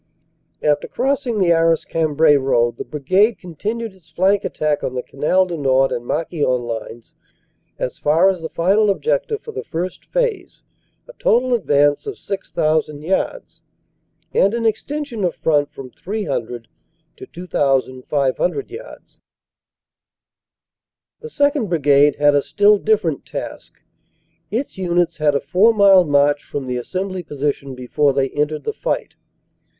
After crossing the Arras Cambrai road the brigade continued its flank attack on the Canal du Nord and Marquion lines as far as the final objective for the First Phase a total advance of 6,000 yards, and an extension of front from 300 to 2,500 yards. "The 2nd. Brigade had a still different task. Its units had a four mile march from the assembly position before they entered the fight.